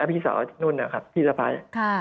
พี่สาวนุ่นนะครับพี่สะพ้าย